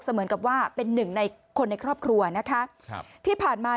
เสมือนกับว่าเป็น๑คนในครอบครัวนะคะที่ผ่านมา